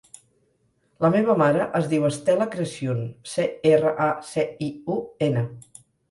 La meva mare es diu Estela Craciun: ce, erra, a, ce, i, u, ena.